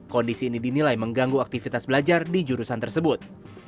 kondisi ini dinilai mengganggu aktivitas belajar di jurusan tersebut